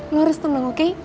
lo harus tenang oke